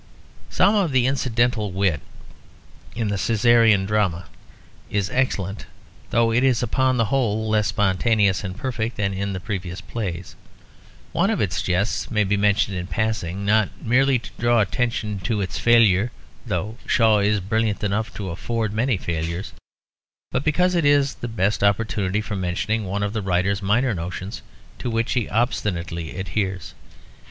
Some of the incidental wit in the Cæsarian drama is excellent although it is upon the whole less spontaneous and perfect than in the previous plays. One of its jests may be mentioned in passing, not merely to draw attention to its failure (though Shaw is brilliant enough to afford many failures) but because it is the best opportunity for mentioning one of the writer's minor notions to which he obstinately adheres.